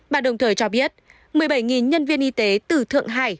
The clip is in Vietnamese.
bà đồng thời cho biết một mươi bảy nhân viên y tế từ thượng hải